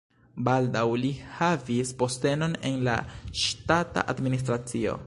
Baldaŭ li havis postenon en la ŝtata administracio.